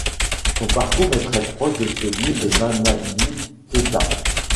Son parcours est très proche de celui de Mamady Keïta.